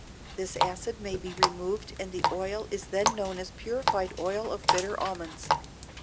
This acid may be removed and the oil is then known as purified oil of bitter almonds.